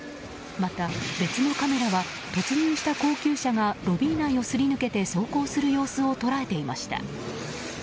また、別のカメラは突入した高級車がロビー内をすり抜けて走行する様子を捉えていました。